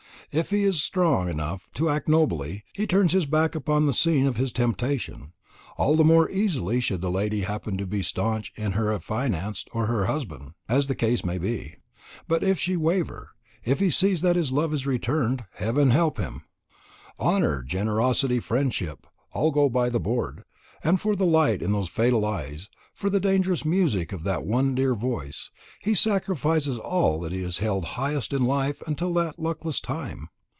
If he is strong enough to act nobly, he turns his back upon the scene of his temptation, all the more easily should the lady happen to be staunch to her affianced, or her husband, as the case may be. But if she waver if he sees that his love is returned heaven help him! Honour, generosity, friendship, all go by the board; and for the light in those fatal eyes, for the dangerous music of that one dear voice, he sacrifices all that he has held highest in life until that luckless time.